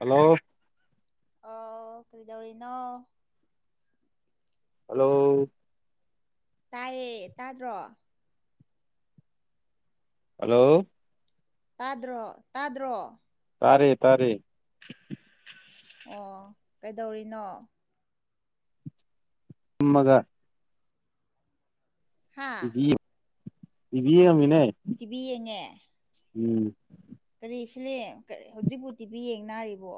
Hello ꯑꯥꯎ ꯀꯩꯗꯧꯔꯤꯅꯣ hello ꯇꯥꯏꯌꯦ ꯇꯥꯗ꯭ꯔꯣ ꯍꯜꯂꯣ ꯇꯥꯗ꯭ꯔꯣ ꯇꯥꯗ꯭ꯔꯣ ꯇꯥꯔꯦ ꯇꯥꯔꯦ ꯑꯣ ꯀꯩꯗꯧꯔꯤꯅꯣ ꯐꯝꯃꯒ ꯍꯥ ꯕꯤꯚꯤ ꯇꯤꯕꯤ ꯌꯦꯡꯉꯝꯃꯤꯅꯦ ꯇꯤꯕꯤ ꯌꯦꯡꯉꯦ ꯎꯝ ꯀꯔꯤ ꯐꯤꯂꯦꯝ ꯀꯔ ꯍꯧꯖꯤꯛꯄꯨ ꯇꯤꯚꯤ ꯌꯦꯡꯅꯔꯤꯕꯣ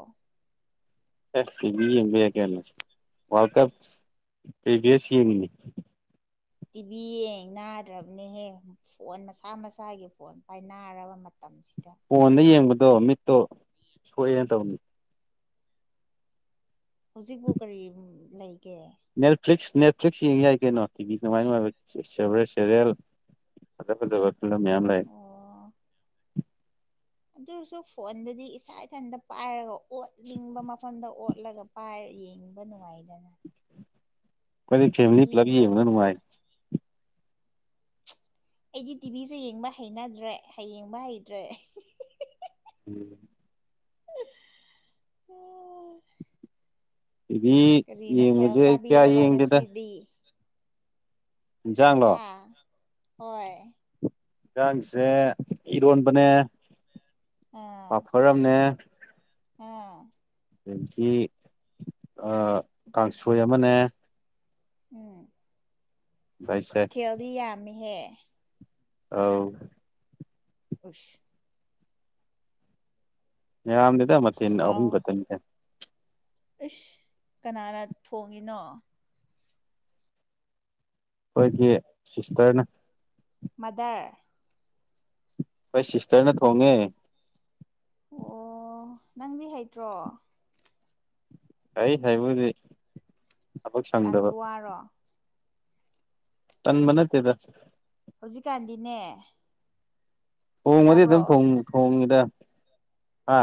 ꯑꯦ ꯇꯤꯕꯤ ꯌꯦꯡꯕ ꯌꯥꯏ ꯀꯩꯅꯣ ꯋꯥꯔꯜ ꯀꯞ ꯄ꯭ꯔꯤꯚꯤꯌꯁ ꯌꯦꯡꯉꯤꯅꯦ ꯇꯤꯚꯤ ꯌꯦꯡ ꯅꯥꯗ꯭ꯔꯕꯅꯦꯍꯦ ꯐꯣꯟ ꯃꯁꯥ ꯃꯁꯥꯒꯤ ꯐꯣꯟ ꯄꯥꯏꯅꯔꯕ ꯃꯇꯝꯁꯤꯗ ꯐꯣꯟꯗ ꯌꯦꯡꯕꯗꯣ ꯃꯤꯠꯇꯣ ꯁꯣꯛꯑꯦꯅ ꯇꯧꯅꯤ ꯍꯧꯖꯤꯛꯄꯨ ꯀꯔꯤ ꯑꯝ ꯂꯩꯒꯦ ꯅꯦꯜꯐ꯭ꯂꯤꯛꯁ ꯅꯦꯠꯐ꯭ꯂꯤꯛꯁ ꯌꯦꯡ ꯌꯥꯏ ꯀꯩꯅꯣ ꯇꯤꯚꯤ ꯅꯨꯡꯉꯥꯏ ꯅꯨꯡꯉꯥꯏꯕ ꯁꯦ ꯁꯦꯕꯦꯔꯦꯖ ꯁꯦꯔꯤꯌꯦꯜ ꯐꯖꯥ ꯐꯖꯥꯕ ꯐꯤꯂꯝ ꯃꯌꯥꯝ ꯂꯩ ꯑꯗꯣꯏꯁꯨ ꯐꯣꯟꯗꯗꯤ ꯏꯁꯥ ꯏꯊꯟꯇ ꯄꯥꯏꯔꯒ ꯑꯣꯠꯅꯤꯡꯕ ꯃꯐꯝꯗ ꯑꯣꯠ ꯂꯒ ꯄꯥꯏꯔ ꯌꯦꯡꯕ ꯅꯨꯡꯉꯥꯏꯗꯅ ꯑꯈꯣꯏꯗꯤ ꯇꯤꯚꯤ ꯐꯦꯃꯤꯂꯤ ꯄꯨꯂꯞ ꯌꯦꯡꯕꯅ ꯌꯦꯡꯕꯕꯨꯗꯤ ꯅꯨꯡꯉꯥꯏ ꯑꯩꯗꯤ ꯇꯤꯚꯤꯁꯦ ꯌꯦꯡꯕ ꯍꯩꯅꯗ꯭ꯔꯦ ꯍꯌꯦꯡꯕ ꯍꯩꯇ꯭ꯔꯦ ꯎꯝ [unintelligible] ꯇꯤꯚꯤ ꯀꯔꯤ ꯃꯊꯦꯜ ꯌꯦꯡꯕꯖꯦ ꯀꯌꯥ ꯆꯥꯕꯤꯔꯕ ꯌꯦꯡꯗꯦꯗ ꯉꯁꯤꯗꯤ ꯏꯟꯖꯥꯡꯂꯣ ꯍꯥ ꯍꯣꯏ ꯏꯟꯖꯥꯡꯁꯦ ꯏꯔꯣꯟꯕꯅꯦ ꯑꯥ ꯄꯐꯔ ꯑꯝꯅꯦ ꯑꯥ ꯑꯗꯒꯤ ꯑꯥ ꯀꯥꯡꯁꯣꯏ ꯑꯃꯅꯦ ꯎꯝ ꯗꯥꯏꯁꯦꯛ ꯃꯊꯦꯜꯗꯤ ꯌꯥꯝꯃꯤꯍꯦ ꯑꯥꯎ ꯎꯁ ꯌꯝꯗꯦꯗ ꯃꯊꯦꯟ ꯍꯥꯎ ꯑꯍꯨꯝ ꯈꯛꯇꯅꯤꯗ ꯏꯁ ꯀꯅꯥꯅ ꯊꯣꯡꯉꯤꯅꯣ ꯈꯣꯏꯒꯤ ꯁꯤꯁꯇꯔꯅ ꯃꯥꯗꯔ ꯈꯣꯏ ꯁꯤꯁꯇꯔꯅ ꯊꯣꯡꯉꯦ ꯑꯣ ꯅꯪꯗꯤ ꯍꯩꯇ꯭ꯔꯣ ꯍꯩ ꯍꯩꯕꯨꯗꯤ ꯇꯟꯕ ꯋꯥꯔꯣ ꯇꯟꯕ ꯅꯠꯇꯦꯗ ꯍꯧꯖꯤꯛꯀꯥꯟꯗꯤꯅꯦ ꯊꯣꯡꯕꯗꯤ ꯇꯥꯕ꯭ꯔꯣ ꯑꯗꯨꯝ ꯊꯣꯡ ꯊꯣꯡꯉꯤꯗ ꯍꯥ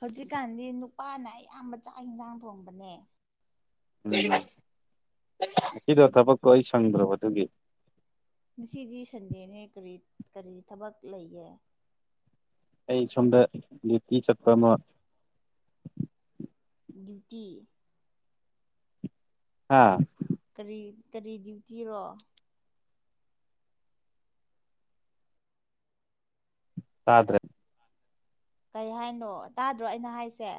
ꯍꯧꯖꯤꯛꯀꯥꯟꯗꯤ ꯅꯨꯄꯥꯅ ꯑꯌꯥꯝꯕ ꯆꯥꯛ ꯍꯤꯟꯖꯥꯡ ꯊꯣꯡꯕꯅꯦ ꯎꯝ ꯉꯁꯤꯗꯣ ꯊꯕꯛꯇꯣ ꯑꯩ ꯁꯪꯗ꯭ꯔꯕ ꯑꯗꯨꯒꯤ ꯉꯁꯤꯗꯤ ꯁꯟꯗꯦꯅꯦ ꯀꯔꯤ ꯀꯔꯤ ꯊꯕꯛ ꯂꯩꯒꯦ ꯑꯩ ꯁꯣꯝꯗ ꯗ꯭ꯌꯨꯇꯤ ꯆꯠꯄ ꯑꯃ ꯗ꯭ꯌꯨꯇꯤ ꯍꯥ ꯀꯔꯤ ꯀꯔꯤ ꯗ꯭ꯌꯨꯇꯤꯔꯣ ꯇꯥꯗ꯭ꯔꯦ ꯀꯩ ꯍꯥꯏꯅꯣ ꯇꯥꯗ꯭ꯔꯣ ꯑꯩꯅ ꯍꯥꯏꯁꯦ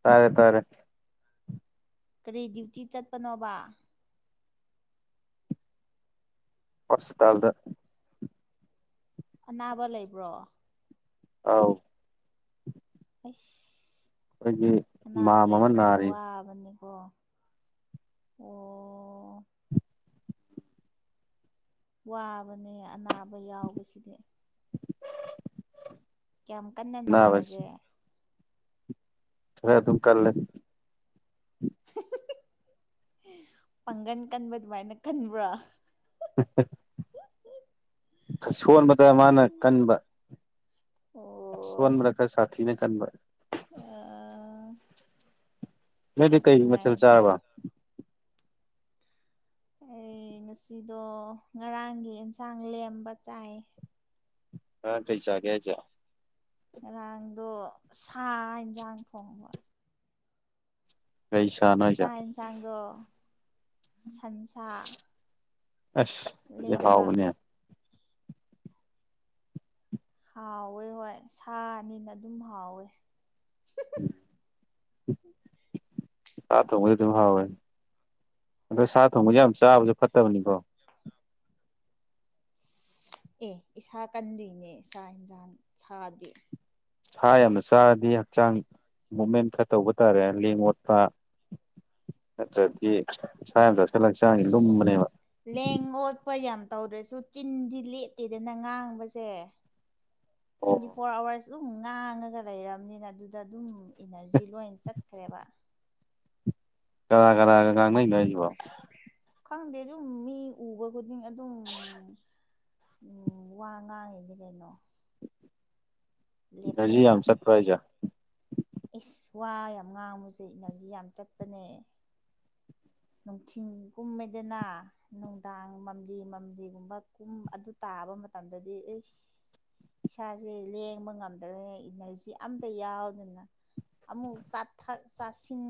ꯇꯥꯔꯦ ꯇꯥꯔꯦ ꯀꯔꯤ ꯗ꯭ꯌꯨꯇꯤ ꯆꯠꯄꯅꯣꯕ ꯍꯣꯁꯄꯤꯇꯥꯜꯗ ꯑꯅꯥꯕ ꯂꯩꯕ꯭ꯔꯣ ꯑꯧ ꯑꯩꯁ ꯑꯩꯈꯣꯏꯒꯤ ꯑꯅꯥꯕ ꯏꯃꯥꯝ ꯑꯃ ꯂꯩꯕꯖꯦ ꯅꯥꯔꯤ ꯋꯥꯕꯅꯤꯀꯣ ꯋꯣ ꯋꯥꯕꯅꯦ ꯑꯅꯥꯕ ꯌꯥꯎꯕꯁꯤꯗꯤ ꯀ꯭ꯌꯥꯝ ꯀꯟꯅ ꯑꯅꯥꯕꯁꯤ ꯅꯥꯔꯒꯦ ꯈꯔ ꯑꯗꯨꯝ ꯀꯜꯂꯦ ꯄꯥꯡꯒꯟ ꯀꯟꯕ ꯑꯗꯨꯃꯥꯏꯅ ꯀꯟꯕ꯭ꯔꯣ ꯑꯁꯣꯟꯕꯗ ꯃꯥꯅ ꯀꯟꯕ ꯑꯣ ꯑꯁꯣꯟꯕꯗ ꯈꯔ ꯁꯥꯊꯤꯅ ꯀꯟꯕ ꯑꯥ ꯅꯣꯏꯗꯤ ꯑꯁ ꯀꯩ ꯃꯊꯦꯜ ꯅꯨꯡꯉꯥꯏꯅꯦ ꯆꯥꯔꯕ ꯑꯩ ꯉꯁꯤꯗꯣ ꯉꯔꯥꯡꯒꯤ ꯑꯦꯟꯁꯥꯡ ꯂꯦꯝꯕ ꯆꯥꯏꯌꯦ ꯉꯔꯥꯡ ꯀꯩ ꯆꯥꯒꯦ ꯍꯥꯏꯖꯦ ꯉꯔꯥꯡꯗꯣ ꯁꯥ ꯍꯦꯟꯖꯥꯡ ꯊꯣꯡꯕ ꯀꯩ ꯁꯥꯅꯣ ꯍꯥꯏꯖꯦ ꯗꯣ ꯁꯟꯁꯥ ꯑꯁ ꯌꯥꯝ ꯂꯦꯝꯕ ꯍꯥꯎꯕꯅꯦ ꯍꯥꯎꯋꯦ ꯍꯣꯏ ꯁꯥꯅꯤꯅ ꯑꯗꯨꯝ ꯍꯥꯎꯋꯦ ꯁꯥ ꯊꯣꯡꯕꯖꯦ ꯗꯨꯝ ꯍꯥꯎꯋꯦ ꯑꯗꯣ ꯁꯥ ꯊꯣꯡꯕꯖꯦ ꯌꯥꯝ ꯆꯥꯕꯖꯦ ꯐꯠꯇꯕꯅꯤꯀꯣ ꯑꯦ ꯏꯁꯥ ꯀꯟꯗꯣꯏꯅꯦ ꯁꯥ ꯍꯦꯟꯖꯥꯡ ꯁꯥꯗꯤ ꯁꯥ ꯌꯥꯝꯅ ꯆꯥꯔꯗꯤ ꯍꯛꯆꯥꯡ ꯃꯨꯞꯃꯦꯟ ꯈ ꯇꯧꯕ ꯇꯥꯔꯦ ꯂꯦꯡ ꯑꯣꯠꯄ ꯅꯠꯇ꯭ꯔꯗꯤ ꯁꯥ ꯌꯥꯝ ꯆꯥꯁꯤꯜꯂ ꯍꯛꯆꯥꯡꯖꯦ ꯂꯨꯝꯕꯅꯦꯕ ꯃꯣꯠꯄ ꯌꯥꯝ ꯇꯧꯗ꯭ꯔꯁꯨ ꯆꯤꯟꯗꯤ ꯂꯦꯠꯇꯦꯗꯅ ꯉꯥꯡꯕꯖꯦ ꯇꯣꯏꯟꯇꯤ ꯑꯣ ꯐꯣꯔ ꯑꯋꯥꯔꯁ ꯑꯗꯨꯝ ꯉꯥꯡꯉꯒ ꯂꯩꯔꯝꯅꯤꯅ ꯑꯗꯨꯗ ꯑꯗꯨꯝ ꯏꯅꯔꯖꯤ ꯂꯣꯏꯟ ꯆꯠꯈ꯭ꯔꯦꯕ ꯀꯅꯥ ꯀꯅꯥꯒ ꯉꯥꯡꯅꯩꯅꯣ ꯍꯥꯏꯖꯤꯕꯣ ꯈꯪꯗꯦ ꯑꯗꯨꯝ ꯃꯤ ꯎꯕ ꯈꯨꯗꯤꯡ ꯑꯗꯨꯝ ꯎꯝ ꯋꯥ ꯉꯥꯡꯉꯤꯅꯤ ꯀꯩꯅꯣ ꯏꯅꯔꯖꯤ ꯌꯥꯝ ꯂꯦꯞꯇꯦꯕ ꯆꯠꯄ꯭ꯔꯣ ꯍꯥꯏꯖꯦ ꯏꯁ ꯋꯥ ꯌꯥꯝ ꯉꯥꯡꯕꯖꯦ ꯏꯅꯔꯖꯤ ꯌꯥꯝ ꯆꯠꯄꯅꯦ ꯅꯨꯡꯊꯤꯟ ꯀꯨꯝꯃꯦꯗꯅ ꯅꯨꯡꯗꯥꯡ ꯃꯝꯂꯤ ꯃꯝꯂꯤꯒꯨꯝꯕ ꯀꯨꯝ ꯑꯗꯨ ꯇꯥꯕ ꯃꯇꯝꯗꯗꯤ ꯑꯩꯁ ꯏꯁꯥꯖꯦ ꯂꯦꯡꯕ ꯉꯝꯗꯔꯦ ꯏꯅꯔꯖꯤ ꯑꯝꯇ ꯌꯥꯎꯗꯅ ꯑꯃꯨꯛ ꯆꯥꯊꯛ ꯆꯥꯁꯤꯟ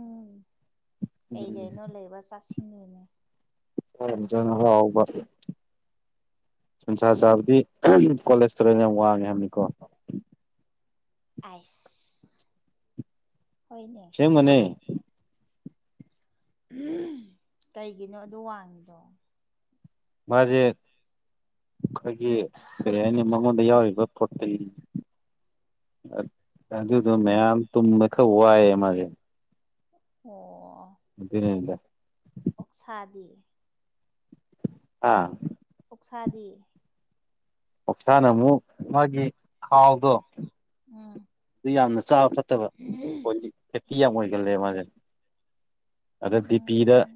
ꯀꯩ ꯎꯝ ꯒꯩꯅꯣ ꯂꯩꯕ ꯆꯥꯁꯤꯟꯕꯅꯦ [unintelligible] ꯁꯟꯁꯥ ꯆꯥꯕꯗꯤ ꯀꯣꯂꯦꯁꯇꯦꯔꯣꯜꯟ ꯌꯥꯝ ꯋꯥꯡꯉꯦ ꯍꯥꯏꯕꯅꯤꯀꯣ ꯑꯥꯏꯁ ꯍꯣꯏꯅꯦ ꯑꯁꯦꯡꯕꯅꯦ ꯀꯩꯒꯤꯅꯣ ꯑꯗꯨ ꯋꯥꯡꯉꯤꯗꯣ ꯃꯥꯖꯦ ꯑꯈꯣꯏꯒꯤ ꯀꯔꯤ ꯍꯥꯏꯅꯤ ꯃꯉꯣꯟꯗ ꯌꯥꯎꯔꯤꯕ ꯄ꯭ꯔꯣꯇꯤꯟ ꯑꯗꯨꯗꯣ ꯃꯌꯥꯝ ꯇꯨꯝꯕ ꯈꯔ ꯋꯥꯏꯑꯦ ꯃꯥꯖꯦ ꯑꯣ ꯐꯤꯐꯇꯤ ꯅꯥꯏꯟꯗ ꯑꯣꯛꯁꯥꯗꯤ ꯍꯥ ꯑꯣꯛꯁꯥꯗꯤ ꯑꯣꯛꯁꯥꯅ ꯑꯃꯨꯛ ꯃꯥꯒꯤ ꯈꯥꯎꯗꯣ ꯎꯝ ꯑꯗꯨ ꯌꯥꯝꯅ ꯆꯥꯕ ꯐꯠꯇꯕ ꯄꯣꯂꯤ ꯐꯦꯇꯤ ꯌꯥꯝ ꯑꯣꯏꯒꯜꯂꯦ ꯃꯥꯖꯦ ꯑꯗ ꯕꯤ ꯄꯤꯗ ꯎꯝ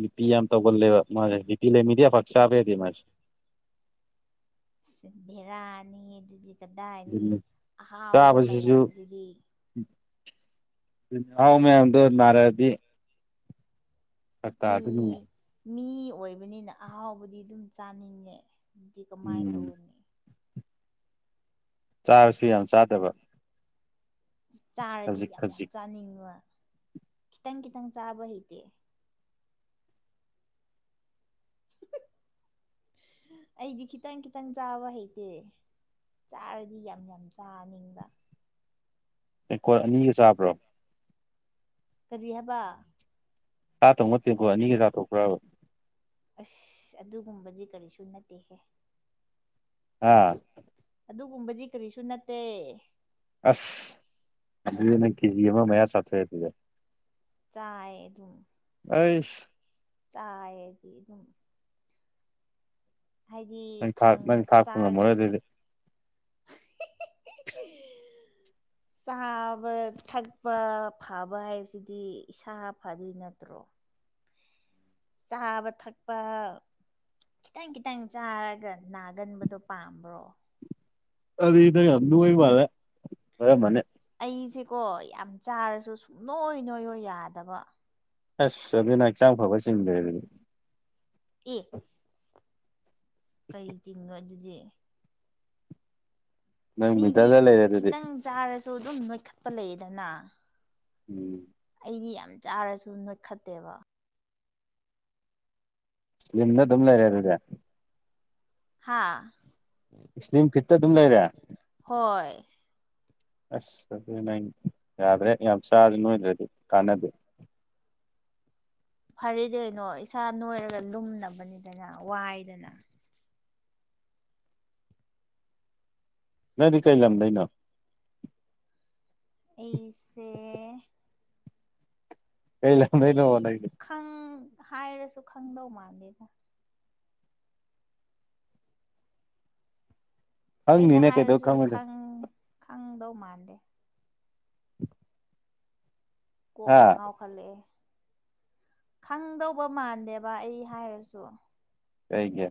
ꯕꯤꯄꯤ ꯌꯥꯝ ꯇꯧꯒꯜꯂꯦꯕ ꯃꯥꯖꯦ ꯕꯤꯄꯤ ꯂꯩꯃꯤꯗꯤ ꯌꯥꯝ ꯄꯥꯛ ꯆꯥꯕ ꯌꯥꯗꯦ ꯃꯥꯖꯦ ꯁꯤꯝ ꯚꯤꯔꯥꯅꯤ ꯑꯗꯨꯗꯤ ꯀꯗꯥꯏꯗꯒꯤ ꯑꯗꯨꯅꯤ ꯑꯍꯥꯎꯕ ꯃꯌꯥꯝꯖꯤꯗꯤ ꯍꯥꯎ ꯃꯌꯥꯝꯗꯣ ꯅꯥꯔꯛꯑꯗꯤ ꯐꯔꯛ ꯃꯤ ꯇꯥꯗꯣꯏꯅꯤ ꯃꯤ ꯑꯣꯏꯕꯅꯤꯅ ꯑꯍꯥꯎꯕꯗꯤ ꯑꯗꯨꯝ ꯆꯥꯅꯤꯡꯉꯦ ꯗꯤ ꯀꯃꯥꯏ ꯎꯝ ꯇꯧꯒꯅꯤ ꯆꯥꯔꯁꯨ ꯌꯥꯝ ꯆꯥꯗꯕ ꯆꯥꯔꯗꯤ ꯈꯖꯤꯛ ꯌꯥꯝ ꯌꯥꯝ ꯈꯖꯤꯛ ꯆꯥꯅꯤꯡꯕ ꯈꯤꯇꯪ ꯈꯤꯇꯪ ꯆꯥꯕ ꯍꯩꯇꯦ ꯑꯩꯗꯤ ꯈꯤꯇꯪ ꯈꯤꯇꯪ ꯆꯥꯕ ꯍꯩꯇꯦ ꯆꯥꯔꯗꯤ ꯌꯥꯝ ꯌꯥꯝ ꯆꯥꯅꯤꯡꯕ ꯇꯦꯡꯀꯣꯠ ꯑꯅꯤꯒ ꯆꯥꯕ꯭ꯔꯣ ꯀꯔꯤ ꯍꯥꯕ ꯁꯥ ꯇꯣꯡꯕ ꯇꯦꯡꯀꯣꯠ ꯑꯅꯤꯒ ꯆꯥꯊꯣꯛꯄ꯭ꯔꯕ ꯑꯁ ꯑꯗꯨꯒꯨꯝꯕꯗꯤ ꯀꯔꯤꯁꯨ ꯅꯠꯇꯦꯍꯦ ꯑꯥ ꯑꯗꯨꯒꯨꯝꯕꯗꯤ ꯀꯔꯤꯁꯨ ꯅꯠꯇꯦ ꯑꯁ ꯑꯗꯨꯗꯤ ꯅꯪ ꯀꯦꯖꯤ ꯑꯃ ꯃꯌꯥ ꯆꯥꯊꯣꯛꯑꯦ ꯑꯗꯨꯗꯤ ꯆꯥꯏ ꯑꯗꯨꯝ ꯑꯩꯁ ꯆꯥꯢꯌꯦ ꯑꯩꯗꯤ ꯑꯗꯨꯝ ꯍꯥꯏꯗꯤ ꯅꯪ ꯊꯥꯛ ꯊꯪ ꯅꯪ ꯊꯥꯛꯄ ꯆꯥꯛ ꯉꯝꯃꯔꯣꯏ ꯑꯗꯨꯗꯤ [unintelligible] [unintelligible] ꯆꯥꯕ ꯊꯛꯄ ꯐꯕ ꯍꯥꯏꯕꯁꯤꯗꯤ ꯏꯁꯥ ꯐꯗꯨꯏ ꯅꯠꯇ꯭ꯔꯣ ꯆꯥꯕ ꯊꯛꯄ ꯈꯤꯇꯪ ꯈꯤꯇꯪ ꯆꯥꯔꯒ ꯅꯥꯒꯟꯕꯗꯣ ꯄꯥꯝꯕ꯭ꯔꯣ ꯑꯗꯤ ꯅꯪ ꯌꯥꯝ ꯅꯣꯢ ꯃꯥꯂꯦ ꯅꯣꯢꯔꯝꯃꯅꯤ ꯑꯩꯁꯦꯀꯣ ꯌꯥꯝ ꯆꯥꯔꯁꯨ ꯁꯨꯛ ꯅꯣꯏ ꯅꯣꯏꯌꯣ ꯌꯥꯗꯕ ꯑꯁ ꯑꯗꯨꯏ ꯅꯪ ꯆꯥꯡ ꯐꯕ ꯆꯤꯡꯗ꯭ꯔꯦ ꯑꯗꯨꯗꯤ ꯑꯦ ꯀꯩ ꯆꯤꯡꯅꯣ ꯑꯗꯨꯗꯤ ꯅꯪ ꯃꯤꯗꯤ ꯃꯤꯗꯜꯗ ꯂꯩꯔꯦ ꯑꯗꯨꯗꯤ ꯈꯤꯇꯪ ꯆꯥꯔꯁꯨ ꯑꯗꯨꯝ ꯅꯣꯏꯈꯠꯄ ꯂꯩꯌꯦꯗꯅ ꯎꯝ ꯑꯩꯗꯤ ꯌꯥꯝ ꯆꯥꯔꯁꯨ ꯅꯣꯢꯈꯠꯇꯦꯕ ꯂꯤꯝꯗ ꯑꯗꯨꯝ ꯂꯩꯔꯦ ꯑꯗꯨꯗꯤ ꯍꯥꯥ ꯏꯁꯂꯤꯝ ꯐꯤꯠꯇ ꯑꯗꯨꯝ ꯂꯩꯔꯦ ꯍꯣꯏ ꯑꯁ ꯑꯗꯨ ꯅꯪ ꯌꯥꯗ꯭ꯔꯦ ꯌꯥꯝ ꯆꯥꯔꯖꯨ ꯅꯣꯏꯗ꯭ꯔꯗꯤ ꯀꯥꯟꯅꯗꯦ ꯐꯔꯦꯗꯤ ꯀꯩꯅꯣ ꯏꯁꯥ ꯅꯣꯏꯔꯒ ꯂꯨꯝꯅꯕꯅꯤꯗꯅ ꯋꯥꯏꯗꯅ ꯅꯪꯗꯤ ꯀꯩ ꯂꯝꯗꯩꯅꯣ ꯑꯩꯁꯦ ꯀꯩ ꯂꯝꯗꯩꯅꯣꯕ ꯑꯩ ꯅꯪꯖꯦ ꯈꯪ ꯍꯥꯏꯔꯁꯨ ꯈꯪꯗꯧ ꯃꯥꯟꯗꯦꯗ ꯑꯩꯅ ꯈꯪꯅꯤꯅꯦ ꯀꯩꯗꯧ ꯍꯥꯏꯔꯁꯨ ꯈꯪꯉꯣꯏꯗꯣꯏꯅꯣ ꯈꯪ ꯈꯪꯗꯧ ꯃꯥꯟꯗꯦ ꯍꯥ ꯀꯣꯛꯀ ꯉꯥꯎ ꯐꯂꯑꯦ ꯈꯪꯗꯧꯕ ꯃꯥꯟꯗꯦꯕ ꯑꯩ ꯍꯥꯏꯔꯁꯨ ꯀꯩꯒꯤ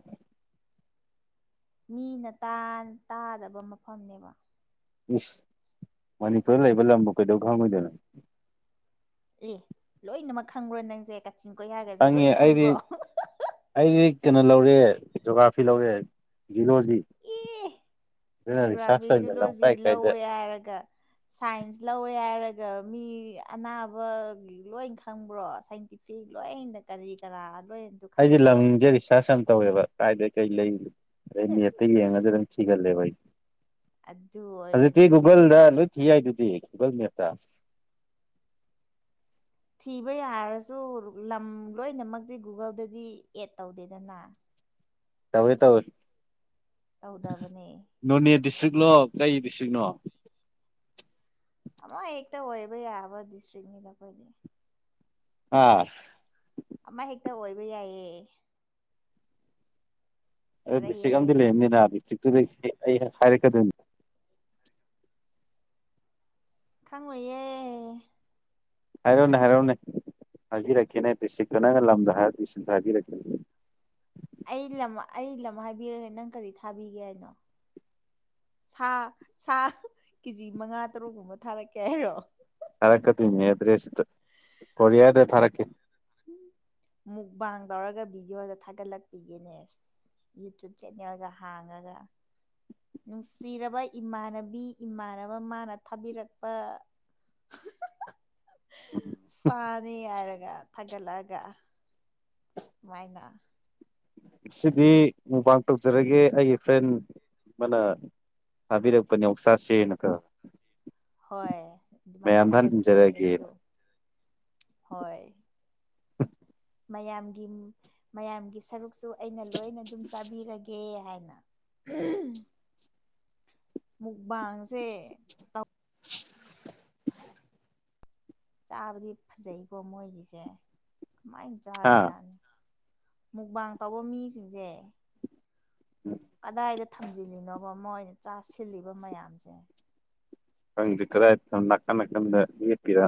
ꯃꯤꯅ ꯇꯥꯟ ꯇꯥꯗꯕ ꯃꯐꯝꯅꯦꯕ ꯏꯁ ꯃꯅꯤꯄꯨꯔꯗ ꯂꯩꯕ ꯂꯝꯕꯨ ꯀꯩꯗꯧ ꯈꯪꯉꯣꯏꯗꯣꯏꯅꯣ ꯑꯦ ꯂꯣꯏꯅꯃꯛ ꯈꯪꯕ꯭ꯔꯣ ꯅꯪꯁꯦ ꯀꯥꯆꯤꯟ ꯀꯣꯏꯌꯥꯒꯁꯦ ꯈꯪꯉꯦ ꯂꯣꯏꯅ ꯑꯩꯗꯤ ꯈꯪꯕ꯭ꯔꯣ ꯑꯩꯗꯤ ꯀꯩꯅꯣ ꯂꯧꯔꯦ ꯖꯣꯒ꯭ꯔꯥꯐꯤ ꯂꯧꯔꯦ ꯖꯨꯂꯣꯖꯤ ꯑꯦ ꯑꯗꯨꯅ ꯖꯨꯒ꯭ꯔꯥꯐꯤ ꯔꯤꯁꯥꯔꯁ ꯑꯣꯏꯅ ꯂꯝ ꯖꯨꯂꯣꯖꯤ ꯀꯥꯏ ꯀꯥꯏꯗ ꯂꯧꯋꯦ ꯍꯥꯏꯔꯒ ꯁꯥꯏꯟꯁ ꯂꯧꯋꯦ ꯍꯥꯏꯔꯒ ꯃꯤ ꯑꯅꯥꯕꯒꯤ ꯂꯣꯏ ꯈꯪꯕ꯭ꯔꯣ ꯁꯥꯏꯟꯇꯤꯐꯤ ꯁꯤ ꯂꯣꯏꯅ ꯀꯔꯤ ꯀꯔꯥ ꯂꯣꯏ ꯑꯩꯗꯤ ꯂꯝꯖꯦ ꯔꯤꯁꯥꯔꯁ ꯌꯥꯝ ꯇꯧꯋꯦꯕ ꯀꯥꯏꯗꯩ ꯀꯩ ꯂꯩ ꯑꯗꯩ ꯁꯦꯁ ꯅꯦꯠꯇ ꯑꯁ ꯌꯦꯡꯉꯒ ꯊꯤꯒꯜꯂꯦꯕ ꯑꯩ ꯑꯗꯨ ꯍꯧꯖꯤꯛꯇꯤ ꯑꯣꯏꯔꯗꯤ ꯒꯨꯒꯜꯗ ꯂꯣꯏ ꯊꯤ ꯌꯥꯏꯗꯨꯗꯤ ꯒꯨꯒꯜ ꯃꯦꯞꯇ ꯊꯤꯕ ꯌꯥꯔꯁꯨ ꯂꯝ ꯂꯣꯏꯅꯃꯛꯇꯤ ꯒꯨꯒꯜꯗꯗꯤ ꯑꯦꯠ ꯇꯧꯗꯦꯗꯅ ꯇꯧꯋꯦ ꯇꯧꯋꯦ ꯇꯧꯗꯕꯅꯦ ꯅꯣꯅꯦ ꯗꯤꯁꯇ꯭ꯔꯤꯛꯂꯣ ꯀꯩ ꯗꯤꯁꯇ꯭ꯔꯤꯛꯅꯣ ꯑꯃ ꯍꯦꯛꯇ ꯑꯣꯏꯕ ꯌꯥꯕ ꯗꯤꯁꯇ꯭ꯔꯤꯛꯅꯤꯗ ꯑꯩꯈꯣꯏꯗꯤ ꯍꯥ ꯑꯃ ꯍꯦꯛꯇ ꯑꯣꯏꯕ ꯌꯥꯏꯌꯦ ꯑꯗꯨ ꯑꯔꯩ ꯗꯤꯁꯇ꯭ꯔꯤꯛ ꯑꯝ ꯑꯔꯩꯕ ꯂꯩꯔꯝꯅꯤꯅ ꯗꯤꯁꯇ꯭ꯔꯤꯛꯇꯨꯗꯤ ꯑꯩ ꯍꯥꯏꯔꯛꯀꯗꯣꯏꯅꯤ ꯈꯪꯉꯣꯏꯌꯦ ꯍꯥꯏꯔꯛꯎꯅꯦ ꯍꯥꯏꯔꯛꯑꯣꯅꯦ ꯍꯥꯏꯕꯤꯔꯛꯀꯦꯅꯦ ꯗꯤꯁꯇ꯭ꯔꯤꯛꯇꯨꯅ ꯅꯪꯅ ꯂꯝꯗꯣ ꯍꯥꯏꯔꯛꯑꯣ ꯗꯤꯁꯇ꯭ꯔꯤꯛꯇꯣ ꯍꯥꯏꯕꯤꯔꯛꯀꯦꯅꯦ ꯑꯩ ꯂꯝ ꯑꯩ ꯂꯝ ꯍꯥꯏꯕꯤꯔꯒꯦ ꯅꯪ ꯀꯔꯤ ꯊꯥꯕꯤꯒꯦ ꯍꯥꯏꯅꯣ ꯁꯥ ꯁꯥ ꯀꯦꯖꯤ ꯃꯉꯥ ꯇꯔꯨꯛꯀꯨꯝꯕ ꯊꯥꯔꯛꯀꯦ ꯍꯥꯏꯔꯣ ꯊꯥꯔꯛꯀꯗꯣꯏꯅꯦ ꯑꯦꯗ꯭ꯔꯦꯁꯇ ꯀꯣꯔꯤꯌꯥꯔꯗ ꯊꯥꯔꯛꯀꯦ ꯃꯨꯛꯕꯥꯥꯡ ꯇꯧꯔꯒ ꯚꯤꯗꯤꯑꯣꯗ ꯊꯥꯒꯠꯂꯛꯄꯤꯒꯦꯅꯦꯁ ꯌꯨꯇꯨꯞ ꯆꯦꯅꯦꯜꯒ ꯍꯥꯡꯉꯒ ꯅꯨꯡꯁꯤꯔꯕ ꯏꯃꯥꯟꯅꯕꯤ ꯏꯃꯥꯟꯅꯕ ꯃꯥꯅ ꯊꯥꯕꯤꯔꯛꯄ ꯎꯝ ꯁꯥꯅꯤ ꯍꯥꯏꯔꯒ ꯊꯥꯒꯠꯂꯛꯑꯒ ꯀꯃꯥꯏꯅ ꯉꯁꯤꯗꯤ ꯃꯨꯛꯕꯥꯡ ꯇꯧꯖꯔꯒꯦ ꯑꯩꯒꯤ ꯐ꯭ꯔꯦꯟ ꯑꯃꯅ ꯊꯥꯕꯤꯔꯛꯄꯅꯦ ꯑꯣꯛꯁꯁꯦꯅ ꯀꯣ ꯍꯣꯏ ꯑꯗꯨꯃꯥꯏꯅ ꯊꯥꯒꯠꯀꯦꯅꯦ ꯏꯟꯖꯔꯒꯦꯅ ꯑꯩꯁꯨ ꯍꯣꯏ ꯃꯌꯥꯝꯒꯤ ꯃꯌꯥꯝꯒꯤ ꯁꯔꯨꯛꯁꯨ ꯑꯩꯅ ꯂꯣꯏꯅ ꯑꯗꯨꯝ ꯆꯥꯕꯤꯔꯒꯦ ꯀꯦ ꯍꯥꯏꯅ ꯃꯨꯛꯕꯥꯥꯡꯁꯦ ꯆꯥꯕꯗꯤ ꯐꯖꯩꯀꯣ ꯃꯣꯏꯒꯤꯁꯦ ꯀꯃꯥꯏꯅ ꯍꯥ ꯆꯥꯔꯤꯖꯥꯠꯅꯣ ꯃꯨꯛꯕꯥꯡ ꯇꯧꯕ ꯃꯤꯁꯤꯡꯁꯦ [inaudible] ꯀꯗꯥꯏꯗ ꯊꯝꯖꯤꯜꯂꯤꯅꯣꯕ ꯃꯣꯏꯅ ꯆꯥꯁꯤꯜꯂꯤꯕ ꯃꯌꯥꯝꯁꯦ ꯈꯪꯗꯦ ꯀꯗꯥꯏꯗ ꯊꯝꯃꯤꯔ ꯅꯥꯀꯟ ꯅꯥꯀꯟꯗ ꯌꯦꯞꯄꯤꯔ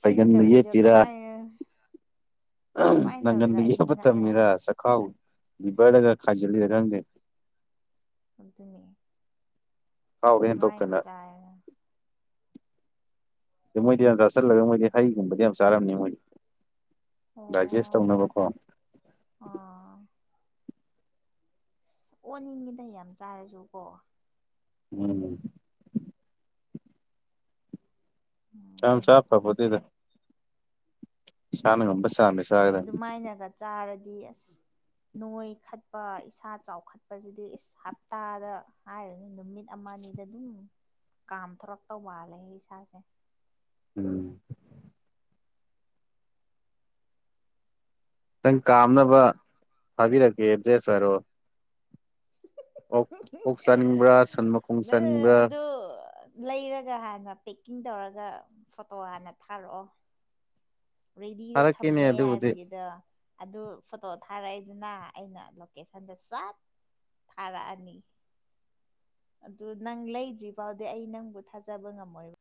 ꯐꯩꯒꯟꯗ ꯌꯦꯠꯄꯤꯔꯥ ꯀꯃꯥꯏꯅ ꯀꯃꯥꯏꯅ ꯅꯪꯒꯟꯗ ꯇꯧꯔꯤꯔꯥ ꯑꯩ ꯌꯦꯞꯄ ꯉꯛꯑꯦ ꯇꯝꯃꯤꯔꯥ ꯍꯥꯏꯕ ꯆꯈꯥꯎ ꯔꯤꯕꯔꯗꯒ ꯈꯥꯏꯖꯤꯜꯂꯤꯔ ꯈꯪꯗꯦ ꯑꯗꯨꯅꯤ ꯈꯥꯎꯒ ꯀꯃꯥꯏꯅ ꯍꯦꯟꯇꯣꯛꯇꯅ ꯆꯥꯏ ꯃꯣꯏꯗꯤ ꯌꯥꯝ ꯆꯥ ꯆꯜꯂꯒ ꯃꯣꯏꯗꯤ ꯍꯩꯒꯨꯝꯕꯗꯤ ꯌꯥꯝ ꯆꯥꯔꯝꯅꯤ ꯃꯣꯏꯗꯤ꯫ ꯗꯥꯏꯖꯦꯁ ꯇꯧꯅꯕꯀꯣ꯫ ꯑ ꯑꯁ ꯑꯣꯅꯤꯡꯉꯤꯗ ꯌꯥꯝ ꯆꯥꯔꯁꯨ ꯀꯣ꯫ ꯎꯝ [inaudible] ꯌꯥꯝ ꯆꯥ ꯐꯄꯣꯇꯦꯗ꯫ ꯉꯝꯕ ꯑꯁ ꯆꯥꯡꯗ ꯆꯥꯒꯗꯕꯅꯤ ꯑꯗꯨꯃꯥꯏꯅꯒ ꯆꯥꯔꯗꯤ ꯑꯁ ꯅꯣꯏꯈꯠꯄ ꯏꯁꯥ ꯆꯥꯎꯈꯠꯄꯖꯤꯗꯤ ꯏꯁ ꯍꯞꯇꯥꯗ ꯍꯥꯏꯔꯅꯤ ꯅꯨꯃꯤꯠ ꯑꯃꯥ ꯅꯤꯗ ꯑꯗꯨꯝ ꯀꯥꯝꯊꯣꯔꯛꯇꯧ ꯃꯥꯜꯂꯦ ꯏꯁꯥꯁꯦ꯫ ꯎꯝ ꯅꯪ ꯀꯥꯝꯅꯕ ꯊꯥꯕꯤꯔꯛꯀꯦ ꯑꯦꯗ꯭ꯔꯦꯁ ꯍꯥꯏꯔꯑꯣ꯫ ꯑꯣꯛ ꯆꯥꯅꯤꯡꯕ꯭ꯔꯥ ꯁꯟ ꯃꯈꯣꯡ ꯅꯪꯅ ꯆꯥꯅꯤꯡꯕ꯭ꯔꯥ ꯑꯗꯨ ꯂꯩꯔꯒ ꯍꯥꯟꯅ ꯄꯦꯛꯀꯤꯡ ꯇꯧꯔꯒ ꯐꯣꯇꯣ ꯍꯥꯟꯅ ꯊꯥꯔꯛꯑꯣ꯫ ꯔꯦꯗꯤꯗ ꯊꯥꯔꯛꯀꯦꯅꯦ ꯊꯝꯃꯦ ꯑꯗꯨꯕꯨꯗꯤ ꯍꯥꯏꯕꯒꯤꯗꯣ ꯑꯗꯨ ꯐꯣꯇꯣ ꯊꯥꯔꯑꯦꯗꯨꯅꯥ ꯑꯩꯅ ꯂꯣꯀꯦꯁꯟꯗ ꯆꯞ ꯊꯥꯔꯑꯅꯤ꯫ ꯑꯗꯨ ꯅꯪ ꯂꯩꯗ꯭ꯔꯤ ꯕꯥꯎꯗꯤ ꯑꯩ ꯅꯪꯕꯨ ꯊꯥꯖꯕ ꯉꯝꯃꯣꯏꯕ꯫